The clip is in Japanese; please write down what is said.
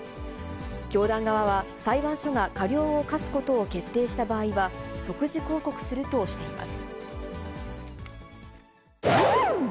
教団側は裁判所が過料を科すことを決定した場合は、即時抗告するとしています。